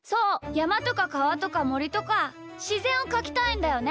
やまとかかわとかもりとかしぜんをかきたいんだよね。